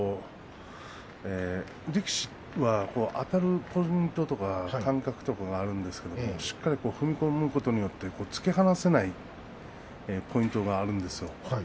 力士はあたるポイントとか感覚はあるんですけどもしっかり踏み込むことによって突き放せないというポイントなんですよ。